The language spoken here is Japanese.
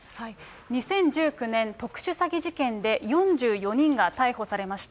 ２０１９年、特殊詐欺事件で４４人が逮捕されました。